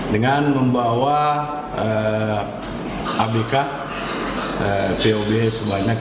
dengan membawa abk pob sebanyak tiga puluh